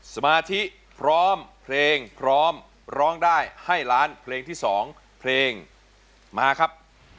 สมาธิพร้อมเพลงพร้อมร้องได้ให้ล้านเพลงที่๒เพลงมาครับ